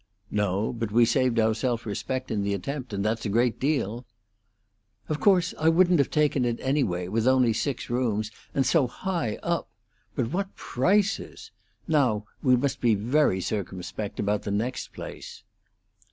"No, but we saved our self respect in the attempt; and that's a great deal." "Of course, I wouldn't have taken it, anyway, with only six rooms, and so high up. But what prices! Now, we must be very circumspect about the next place."